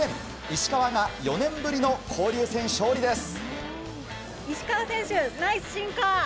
石川が４年ぶりの交流戦勝利です。